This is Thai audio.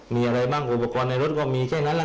มีอะไรบ้างครับอุปกรณ์ในรถก็มีแค่นั้น